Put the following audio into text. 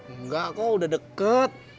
enggak kok udah deket